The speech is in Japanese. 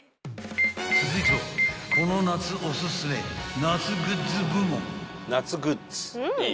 ［続いてはこの夏おすすめ夏グッズ部門］